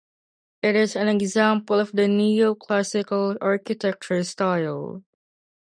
It is an example of the neoclassical architecture style.